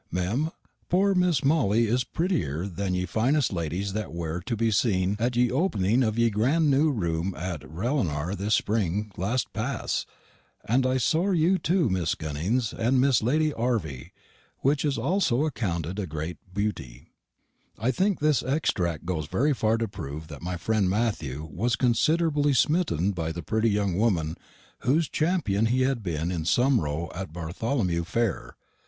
Mem. Pore Mrs. Mollie is prittier than ye fineist ladies that wear to be sene at ye opening of ye grand new roome at Ranellar this spring last past, wear I sor ye too Miss Gunings and Lady Harvey, wich is alsoe accounted a grate buty." I think this extract goes very far to prove that my friend Matthew was considerably smitten by the pretty young woman whose champion he had been in some row at Bartholomew Fair.